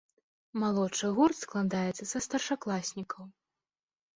Малодшы гурт складаецца са старшакласнікаў.